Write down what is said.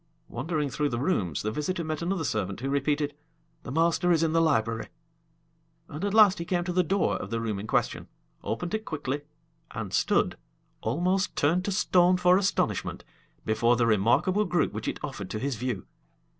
Wandering through the rooms, the visitor met another servant, who repeated, "The master is in the library." And at last he came to the door of the room in question, opened it quickly, and stood, almost turned to stone for astonishment, before the remarkable group which it offered to his view.